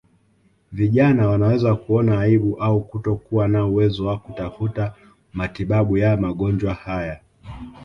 Vijana wanaweza kuona aibu au kutokuwa na uwezo wa kutafuta matibabu ya magonjwa haya